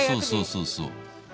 そうそうそうそう。